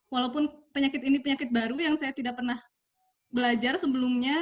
walaupun penyakit ini penyakit baru yang saya tidak pernah belajar sebelumnya